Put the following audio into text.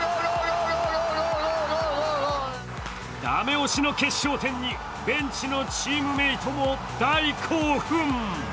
だめ押しの決勝点にベンチのチームメイトも大興奮。